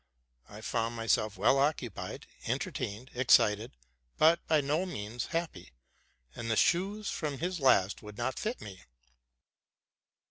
I found myself well occupied, entertained, excited, but by no means happy; and the shoes from his last would not fit me.